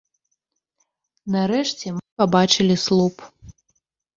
Нарэшце мы пабачылі слуп.